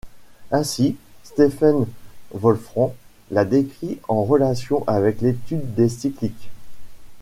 Ainsi, Stephen Wolfram la décrit en relation avec l'étude des cycliques.